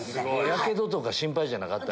やけどとか心配じゃなかった？